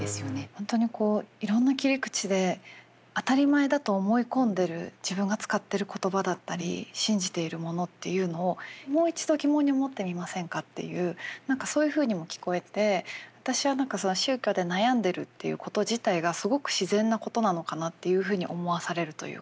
本当にいろんな切り口で当たり前だと思い込んでる自分が使ってる言葉だったり信じているものっていうのをもう一度疑問に思ってみませんかっていう何かそういうふうにも聞こえて私は何か宗教で悩んでるっていうこと自体がすごく自然なことなのかなっていうふうに思わされるというか。